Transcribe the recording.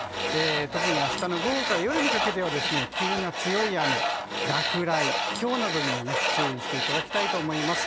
特に明日の午後から夜にかけては急な強い雨、落雷ひょうなどにも注意していただきたいと思います。